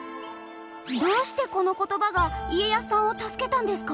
どうしてこの言葉が家康さんを助けたんですか？